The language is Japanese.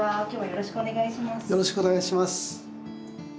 よろしくお願いします。